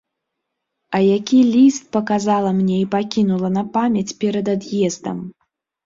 А які ліст паказала мне і пакінула на памяць перад ад'ездам!